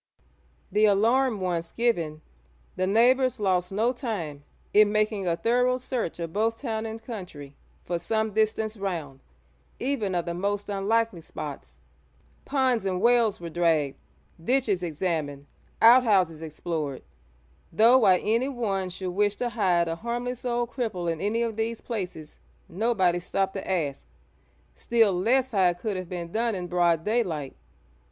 The alarm once given, the neighbours lost no time in making a thorough search of both town and country for some distance round, even of the most unlikely spots. Ponds and wells were dragged, ditches examined, outhouses explored; though why anyone should wish to hide a harmless old cripple in any of these places, nobody stopped to ask, still less how it could have been done in broad daylight.